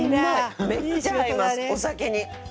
めっちゃ合います、お酒に。